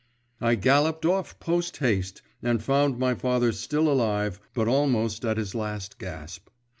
I galloped off post haste, and found my father still alive, but almost at his last gasp.